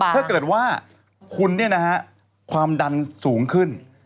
ถ้าเกิดว่าคุณความดันสูงขึ้น